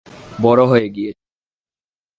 বড় হয়ে গিয়েছ।